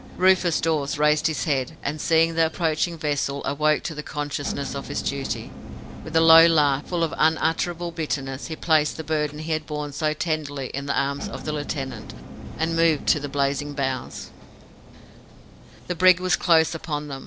Rufus Dawes raised his head, and, seeing the approaching vessel, awoke to the consciousness of his duty. With a low laugh, full of unutterable bitterness, he placed the burden he had borne so tenderly in the arms of the lieutenant, and moved to the blazing bows. The brig was close upon them.